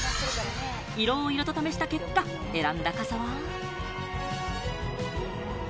いろいろと試した結果、選んだ傘は。